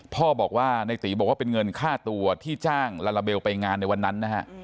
พ่อบอกว่าในตีบอกว่าเป็นเงินค่าตัวที่จ้างลาลาเบลไปงานในวันนั้นนะฮะ